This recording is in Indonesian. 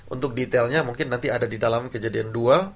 untuk detailnya mungkin nanti ada di dalam kejadian dua